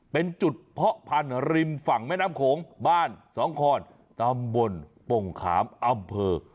เป็นจุดเพาะพันธุ์ริมฝั่งแม่น้ำโขงบ้านสองคอนตำบลปงขามอำเภอ